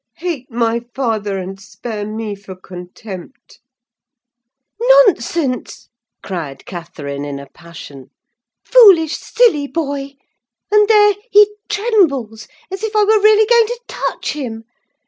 Hate my father, and spare me for contempt." "Nonsense!" cried Catherine in a passion. "Foolish, silly boy! And there! he trembles, as if I were really going to touch him!